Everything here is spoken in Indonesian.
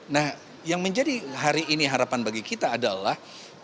nah yang menjadi hari ini harapan bagi kita adalah